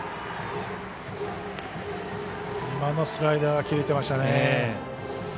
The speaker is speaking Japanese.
今のスライダーが切れてましたね。